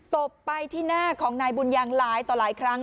ตบไปที่หน้าของนายบุญยังหลายต่อหลายครั้ง